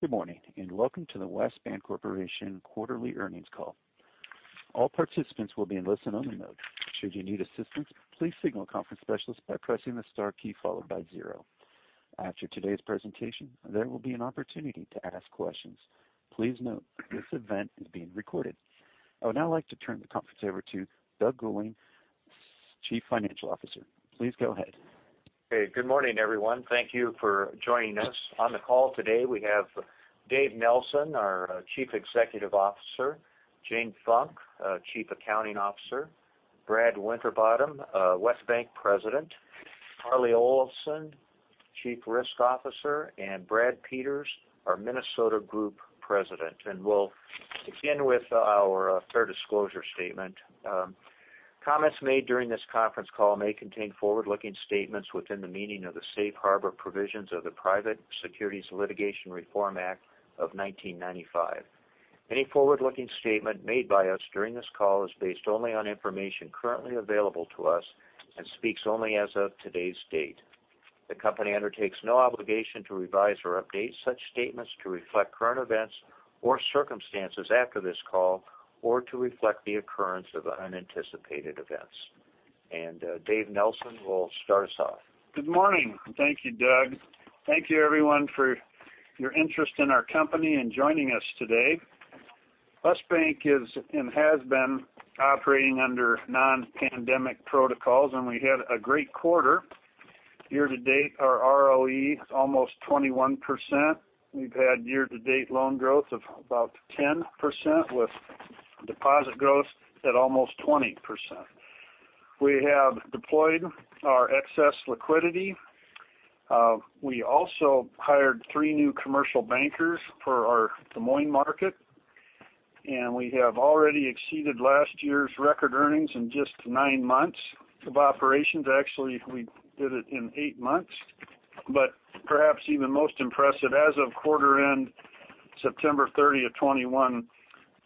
Good morning, and welcome to the West Bancorporation quarterly earnings call. All participants will be in listen only mode. Should you need assistance, please signal the conference specialist by pressing the star key followed by zero. After today's presentation, there will be an opportunity to ask questions. Please note this event is being recorded. I would now like to turn the conference over to Doug Gulling, Chief Financial Officer. Please go ahead. Hey, good morning, everyone. Thank you for joining us. On the call today, we have Dave Nelson, our Chief Executive Officer, Jane Funk, Chief Accounting Officer, Brad Winterbottom, West Bank President, Harlee Olafson, Chief Risk Officer, and Brad Peters, our Minnesota Group President. We'll begin with our fair disclosure statement. Comments made during this conference call may contain forward-looking statements within the meaning of the Safe Harbor provisions of the Private Securities Litigation Reform Act of 1995. Any forward-looking statement made by us during this call is based only on information currently available to us and speaks only as of today's date. The company undertakes no obligation to revise or update such statements to reflect current events or circumstances after this call or to reflect the occurrence of unanticipated events. Dave Nelson will start us off. Good morning. Thank you, Doug. Thank you, everyone, for your interest in our company and joining us today. West Bank is and has been operating under non-pandemic protocols, and we had a great quarter. Year-to-date, our ROE is almost 21%. We've had year-to-date loan growth of about 10% with deposit growth at almost 20%. We have deployed our excess liquidity. We also hired three new commercial bankers for our Des Moines market, and we have already exceeded last year's record earnings in just nine months of operations. Actually, we did it in eight months. Perhaps even most impressive, as of quarter-end, September 30th, 2021,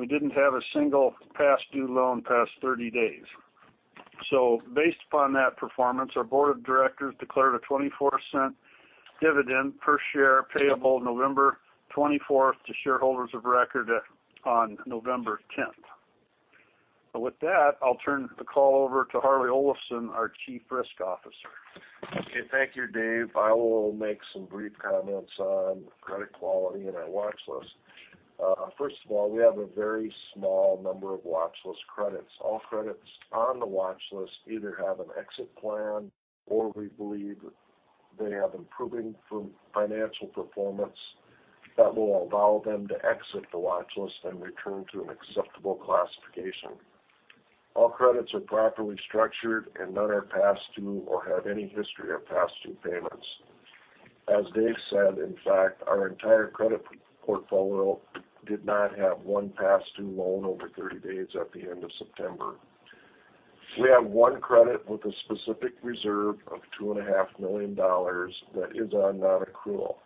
we didn't have a single past due loan past 30 days. Based upon that performance, our Board of Directors declared a $0.24 dividend per share payable November 24th, 2021 to shareholders of record on November 10th, 2021. With that, I'll turn the call over to Harlee Olafson, our Chief Risk Officer. Okay, thank you, Dave. I will make some brief comments on credit quality and our watch list. First of all, we have a very small number of watch list credits. All credits on the watch list either have an exit plan or we believe they have improving financial performance that will allow them to exit the watch list and return to an acceptable classification. All credits are properly structured, and none are past due or have any history of past due payments. As Dave said, in fact, our entire credit portfolio did not have one past due loan over 30 days at the end of September. We have one credit with a specific reserve of $2.5 million that is on nonaccrual.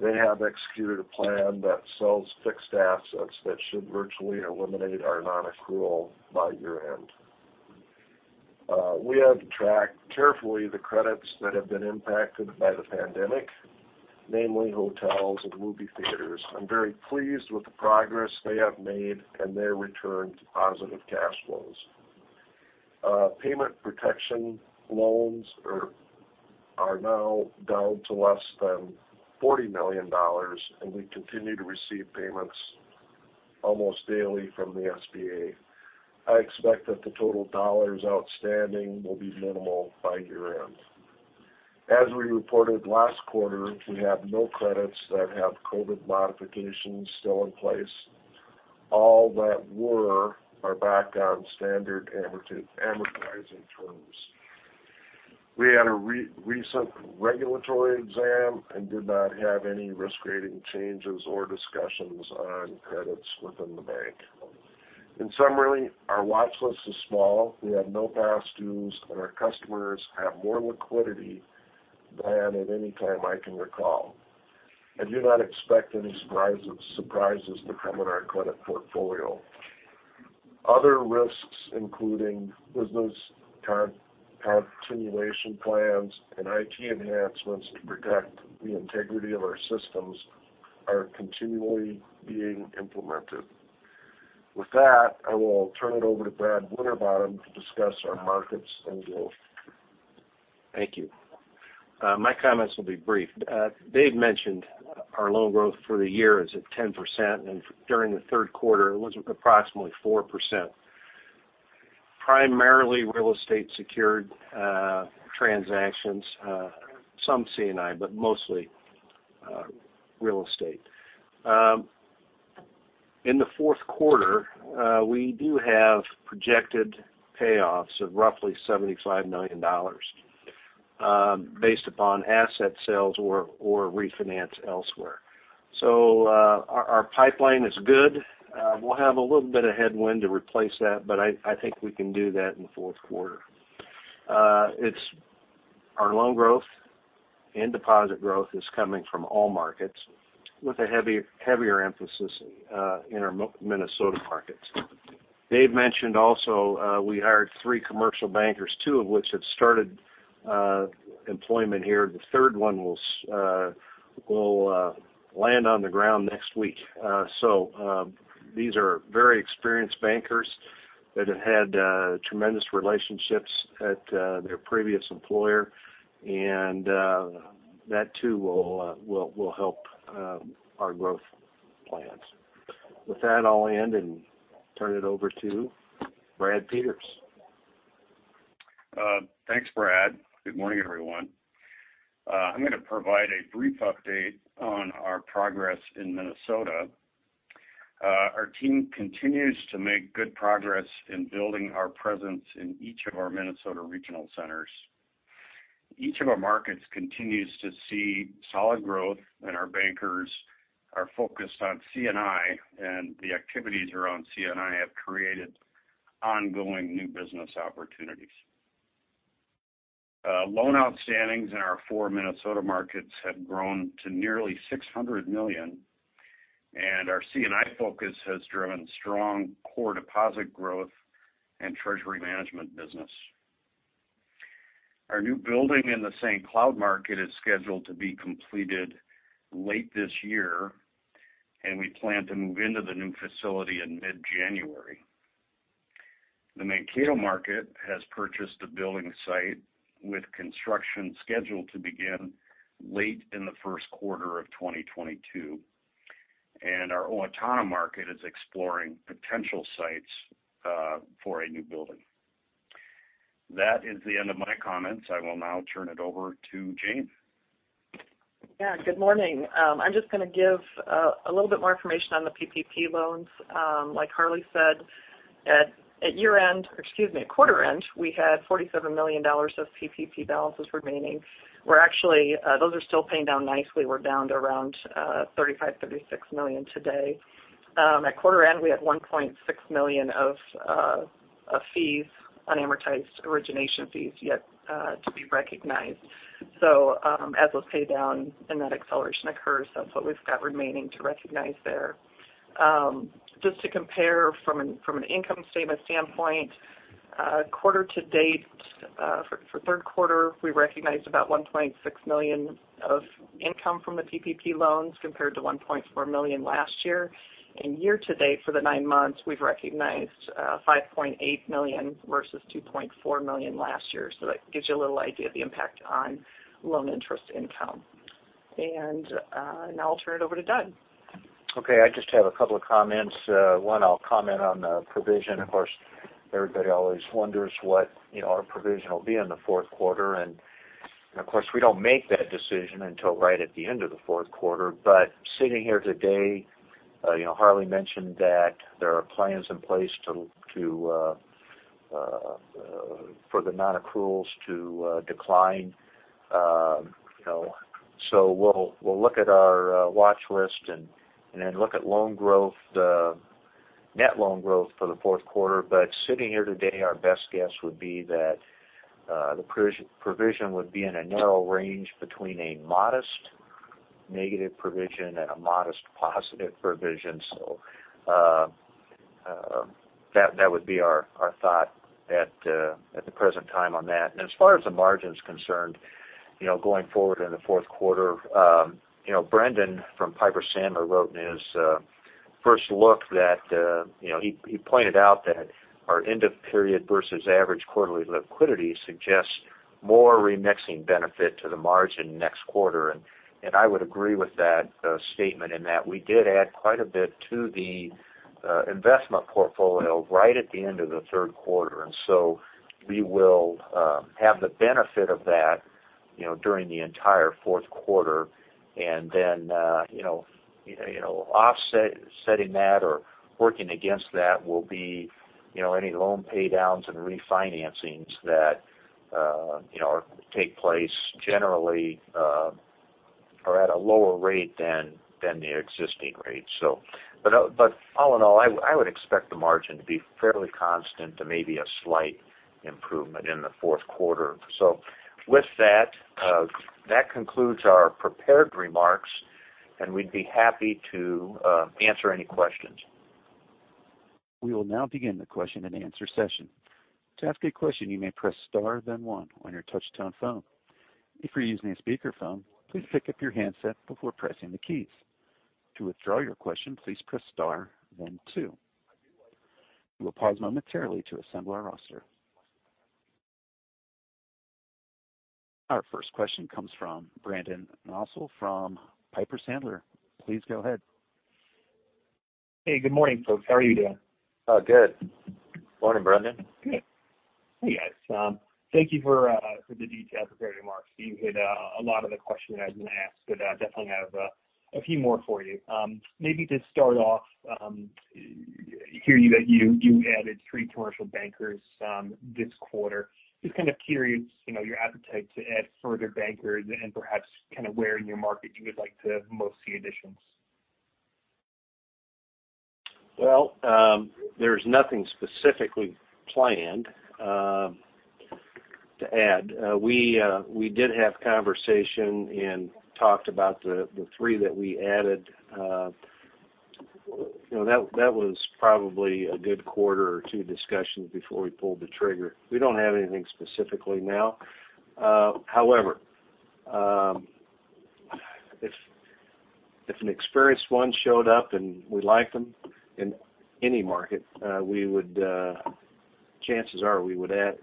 They have executed a plan that sells fixed assets that should virtually eliminate our nonaccrual by year-end. We have tracked carefully the credits that have been impacted by the pandemic, namely hotels and movie theaters. I'm very pleased with the progress they have made and their return to positive cash flows. Payment protection loans are now down to less than $40 million, and we continue to receive payments almost daily from the SBA. I expect that the total dollars outstanding will be minimal by year-end. As we reported last quarter, we have no credits that have COVID modifications still in place. All that were are back on standard amortizing terms. We had a recent regulatory exam and did not have any risk rating changes or discussions on credits within the bank. In summary, our watch list is small. We have no past dues, and our customers have more liquidity than at any time I can recall. I do not expect any surprises to come in our credit portfolio. Other risks, including business continuation plans and IT enhancements to protect the integrity of our systems, are continually being implemented. With that, I will turn it over to Brad Winterbottom to discuss our markets and growth. Thank you. My comments will be brief. Dave mentioned our loan growth for the year is at 10%, and during the third quarter, it was approximately 4%. Primarily real estate secured transactions, some C&I, but mostly real estate. In the fourth quarter, we do have projected payoffs of roughly $75 million, based upon asset sales or refinance elsewhere. Our pipeline is good. We'll have a little bit of headwind to replace that, but I think we can do that in the fourth quarter. Our loan growth and deposit growth is coming from all markets with a heavier emphasis in our Minnesota markets. Dave mentioned also, we hired three commercial bankers, two of which have started employment here. The third one will land on the ground next week. These are very experienced bankers that have had tremendous relationships at their previous employer, and that too will help our growth plans. With that, I'll end and turn it over to Brad Peters. Thanks, Brad. Good morning, everyone. I'm gonna provide a brief update on our progress in Minnesota. Our team continues to make good progress in building our presence in each of our Minnesota regional centers. Each of our markets continues to see solid growth, and our bankers are focused on C&I, and the activities around C&I have created ongoing new business opportunities. Loan outstandings in our four Minnesota markets have grown to nearly $600 million, and our C&I focus has driven strong core deposit growth and Treasury Management business. Our new building in the St. Cloud market is scheduled to be completed late this year, and we plan to move into the new facility in mid-January. The Mankato market has purchased a building site with construction scheduled to begin late in the first quarter of 2022, and our Owatonna market is exploring potential sites for a new building. That is the end of my comments. I will now turn it over to Jane. Yeah. Good morning. I'm just gonna give a little bit more information on the PPP loans. Like Harlee said, at quarter-end, we had $47 million of PPP balances remaining. Those are still paying down nicely. We're down to around $35 million-$36 million today. At quarter-end, we had $1.6 million of fees, unamortized origination fees, yet to be recognized. As those pay down and that acceleration occurs, that's what we've got remaining to recognize there. Just to compare from an income statement standpoint, quarter-to-date, for third quarter, we recognized about $1.6 million of income from the PPP loans, compared to $1.4 million last year. Year-to-date, for the nine months, we've recognized $5.8 million versus $2.4 million last year. That gives you a little idea of the impact on loan interest income. Now I'll turn it over to Doug. Okay. I just have a couple of comments. One, I'll comment on the provision. Of course, everybody always wonders what, you know, our provision will be in the fourth quarter. Of course, we don't make that decision until right at the end of the fourth quarter. Sitting here today, you know, Harlee mentioned that there are plans in place for the nonaccruals to decline. We'll look at our watchlist and then look at loan growth, the net loan growth for the fourth quarter. Sitting here today, our best guess would be that the provision would be in a narrow range between a modest negative provision and a modest positive provision. That would be our thought at the present time on that. As far as the margin's concerned, you know, going forward in the fourth quarter, you know, Brendan from Piper Sandler wrote in his first look that, you know, he pointed out that our end of period versus average quarterly liquidity suggests more remixing benefit to the margin next quarter. I would agree with that statement in that we did add quite a bit to the investment portfolio right at the end of the third quarter. We will have the benefit of that, you know, during the entire fourth quarter. Then, you know, offsetting that or working against that will be, you know, any loan pay downs and refinancings that, you know, take place generally are at a lower rate than the existing rate. But all in all, I would expect the margin to be fairly constant to maybe a slight improvement in the fourth quarter. With that concludes our prepared remarks, and we'd be happy to answer any questions. We will now begin the question-and-answer session. To ask a question, you may press star, then one on your touch-tone phone. If you're using a speakerphone, please pick up your handset before pressing the keys. To withdraw your question, please press star, then two. We will pause momentarily to assemble our roster. Our first question comes from Brendan Nosal from Piper Sandler. Please go ahead. Hey, good morning, folks. How are you doing? Oh, good. Morning, Brendan. Good. Hey, guys. Thank you for the detailed prepared remarks. You hit a lot of the questions I was gonna ask, but definitely have a few more for you. Maybe to start off, I heard that you added three commercial bankers this quarter. Just kind of curious, you know, your appetite to add further bankers and perhaps kind of where in your market you would like to most see additions. Well, there's nothing specifically planned. To add, we did have conversation and talked about the three that we added. You know, that was probably a good quarter or two discussions before we pulled the trigger. We don't have anything specifically now. However, if an experienced one showed up and we like them in any market, we would add to them. Chances are we would add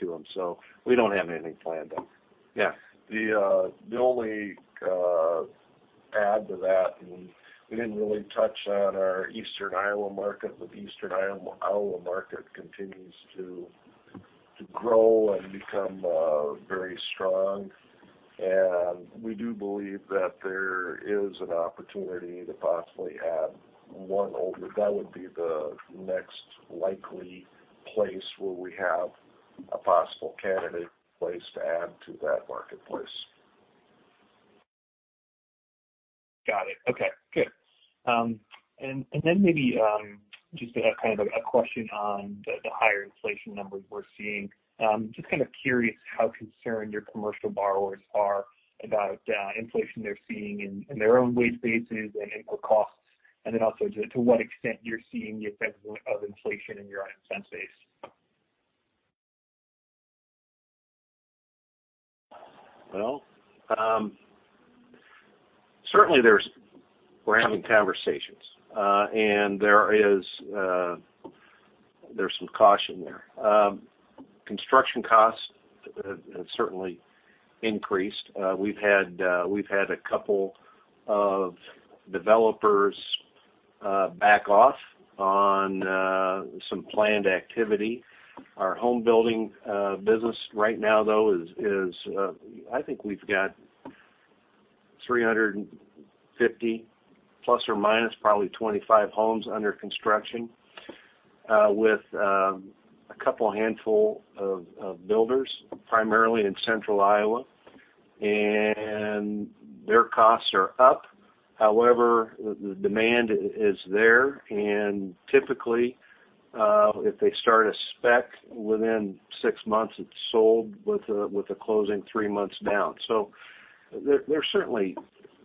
to them. We don't have anything planned though. Yeah. The only add to that, we didn't really touch on our Eastern Iowa market. The Eastern Iowa market continues to grow and become very strong. We do believe that there is an opportunity to possibly add one over. That would be the next likely place where we have a possible candidate place to add to that marketplace. Got it. Okay, good. Maybe just to have kind of a question on the higher inflation numbers we're seeing. Just kind of curious how concerned your commercial borrowers are about inflation they're seeing in their own wage bases and input costs. Also just to what extent you're seeing the effects of inflation in your own expense base. Well, certainly we're having conversations, and there is, there's some caution there. Construction costs have certainly increased. We've had a couple of developers back off on some planned activity. Our home building business right now though is, I think we've got 350 probably ± 25 homes under construction, with a couple handful of builders, primarily in central Iowa. Their costs are up. However, the demand is there. Typically, if they start a spec within six months, it's sold with a closing three months down. There's certainly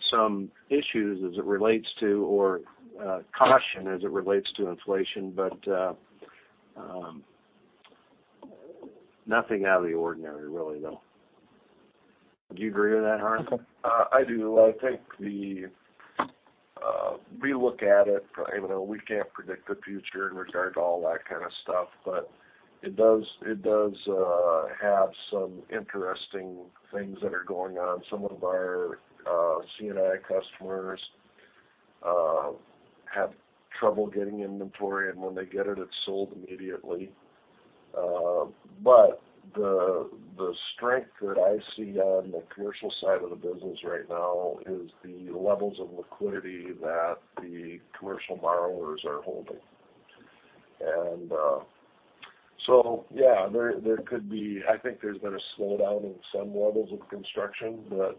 some issues as it relates to caution as it relates to inflation, but, nothing out of the ordinary really, though. Do you agree with that, Harlee? I do. I think we look at it, even though we can't predict the future in regard to all that kind of stuff, but it does have some interesting things that are going on. Some of our C&I customers have trouble getting inventory, and when they get it's sold immediately. The strength that I see on the commercial side of the business right now is the levels of liquidity that the commercial borrowers are holding. Yeah, there could be. I think there's been a slowdown in some levels of construction. I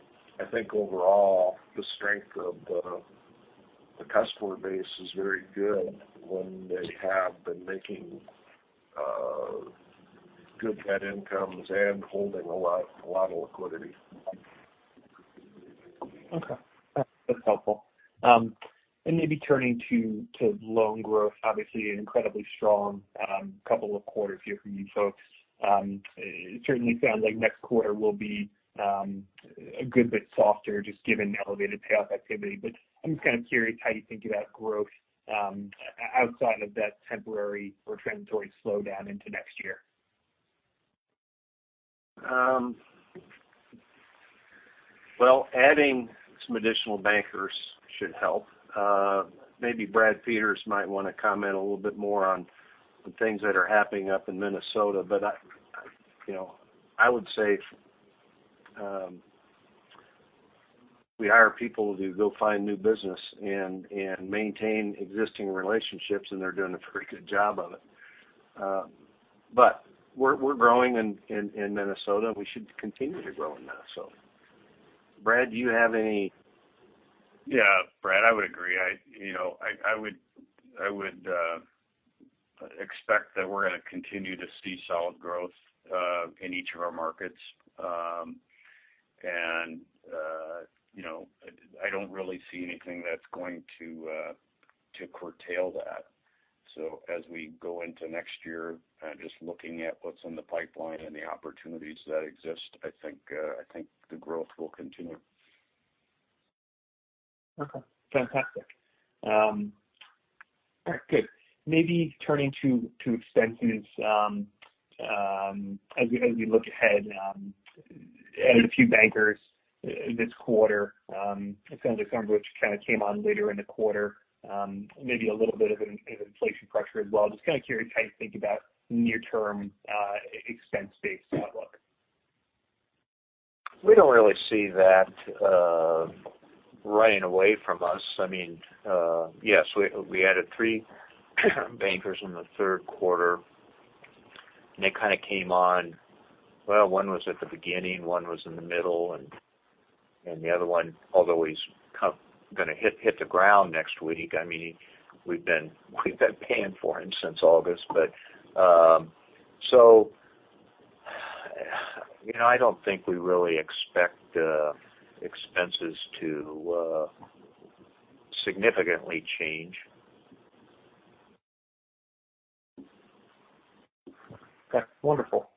think overall, the strength of the customer base is very good when they have been making good net incomes and holding a lot of liquidity. Okay. That's helpful. Maybe turning to loan growth, obviously an incredibly strong couple of quarters here for you folks. It certainly sounds like next quarter will be a good bit softer just given the elevated payoff activity. I'm just kind of curious how you think about growth outside of that temporary or transitory slowdown into next year. Well, adding some additional bankers should help. Maybe Brad Peters might wanna comment a little bit more on the things that are happening up in Minnesota. I, you know, I would say we hire people to go find new business and maintain existing relationships, and they're doing a pretty good job of it. We're growing in Minnesota. We should continue to grow in Minnesota. Brad, do you have any? Yeah, Brad, I would agree. I would expect that we're gonna continue to see solid growth in each of our markets. I don't really see anything that's going to curtail that. As we go into next year, just looking at what's in the pipeline and the opportunities that exist, I think the growth will continue. Okay. Fantastic. All right. Good. Maybe turning to expenses, as we look ahead, added a few bankers this quarter. It sounds like some of which kind of came on later in the quarter, maybe a little bit of an inflation pressure as well. Just kind of curious how you think about near-term expense-based outlook. We don't really see that running away from us. I mean, yes, we added three bankers in the third quarter, and they kind of came on. Well, one was at the beginning, one was in the middle, and the other one, although he's kind of gonna hit the ground next week, I mean, we've been paying for him since August. You know, I don't think we really expect expenses to significantly change. Okay, wonderful.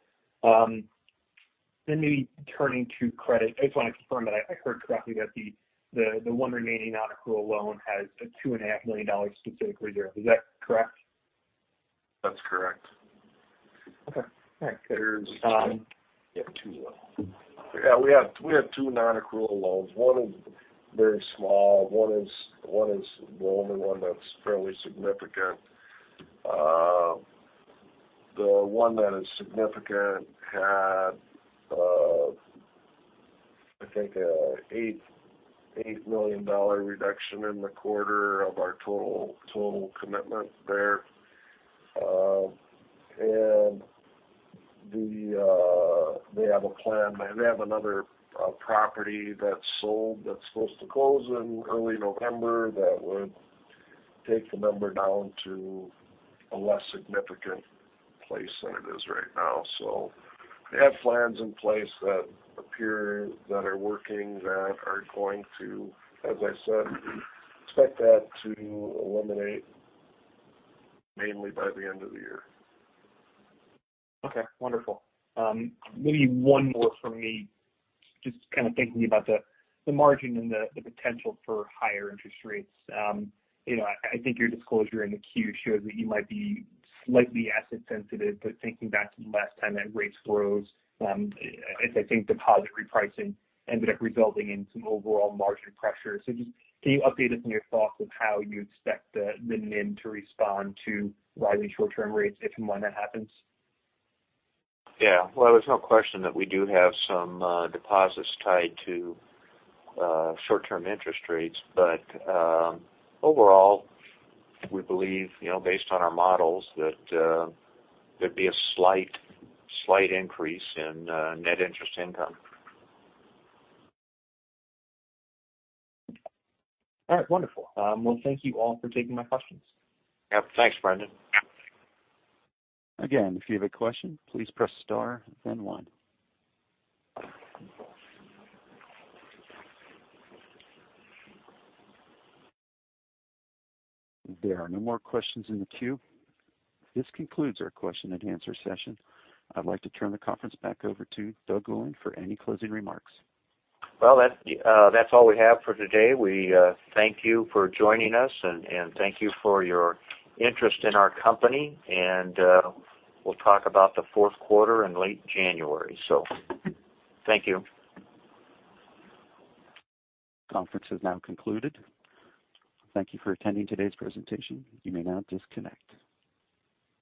Let me turn to credit. I just wanna confirm that I heard correctly that the one remaining nonaccrual loan has $2.5 million specifically there. Is that correct? That's correct. Okay. All right. There's. You have two. Yeah, we have two nonaccrual loans. One is very small. One is the only one that's fairly significant. The one that is significant had, I think, $8 million reduction in the quarter of our total commitment there. They have a plan. They have another property that sold that's supposed to close in early November. That would take the number down to a less significant place than it is right now. They have plans in place that appear that are working, that are going to, as I said, expect that to eliminate mainly by the end of the year. Okay, wonderful. Maybe one more from me. Just kind of thinking about the margin and the potential for higher interest rates. You know, I think your disclosure in the Q shows that you might be slightly asset sensitive, but thinking back to the last time that rates rose, I think deposit repricing ended up resulting in some overall margin pressure. Just can you update us on your thoughts of how you expect the NIM to respond to rising short-term rates, if and when that happens? Yeah. Well, there's no question that we do have some deposits tied to short-term interest rates. Overall, we believe, you know, based on our models, that there'd be a slight increase in net interest income. All right. Wonderful. Well, thank you all for taking my questions. Yep. Thanks, Brendan. Again, if you have a question, please press star then one. There are no more questions in the queue. This concludes our question-and-answer session. I'd like to turn the conference back over to Doug Gulling for any closing remarks. Well, that's all we have for today. We thank you for joining us and thank you for your interest in our company, and we'll talk about the fourth quarter in late January. Thank you. Conference is now concluded. Thank you for attending today's presentation. You may now disconnect.